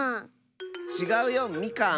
ちがうよみかん！